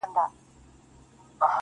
o ستا د شعر دنيا يې خوښـه سـوېده.